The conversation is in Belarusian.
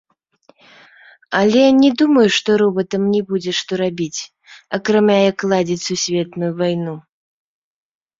Але, не думаю, што робатам не будзе што рабіць, акрамя як ладзіць сусветную вайну.